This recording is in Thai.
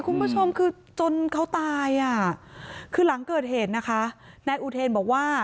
คุณผู้ชมคือจนเขาตายอ่ะคือหลังเกิดเหตุนะคะนายอุเทนบอกว่า